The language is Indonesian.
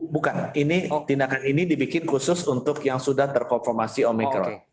bukan tindakan ini dibikin khusus untuk yang sudah terkonformasi omikron